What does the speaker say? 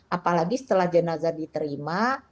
apalagi setelah jenazah diterima